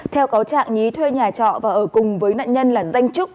theo cáo trạng nhí thuê nhà trọ và ở cùng với nạn nhân là danh trúc